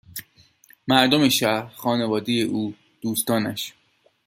مردم شهر ، خانواده او ، دوستانش